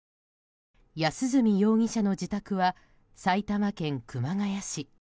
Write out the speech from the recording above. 安栖容疑者の自宅は埼玉県熊谷市。